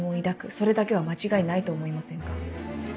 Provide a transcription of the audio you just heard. それだけは間違いないと思いませんか？